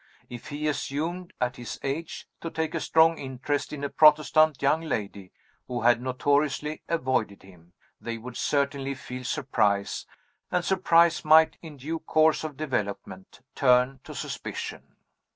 If he assumed, at his age, to take a strong interest in a Protestant young lady, who had notoriously avoided him, they would certainly feel surprise and surprise might, in due course of development, turn to suspicion.